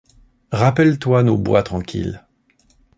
Rappelle-toi nos bois tranquilles